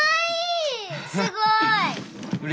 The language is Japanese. すごい。